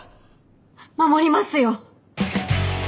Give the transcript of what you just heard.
守りますよ。